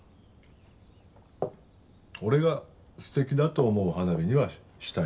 俺が素敵だと思う花火にはしたいけどね。